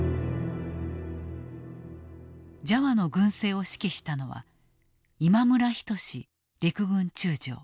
ジャワの軍政を指揮したのは今村均陸軍中将。